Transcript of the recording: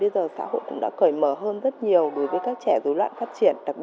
đồng thời góp phần tác động